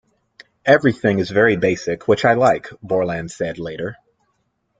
Everything is very basic, which I like, Borland said later.